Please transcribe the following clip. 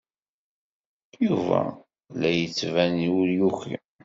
Yuba la d-yettban ur yuki.